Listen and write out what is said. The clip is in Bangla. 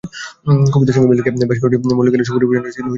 কবিতার সঙ্গে মিল রেখে বেশ কয়েকটি মৌলিক গানের পরিবেশনা ছিল শ্রুতিমধুর।